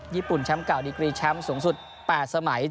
ญี่ปุ่นแชมป์เก่าดีกรีแชมป์สูงสุด๘สมัย